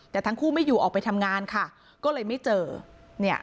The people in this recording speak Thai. แต่ทั้งคู่ไม่อยู่ออกไปทำงานค่ะก็เลยไม่เจอเนี่ย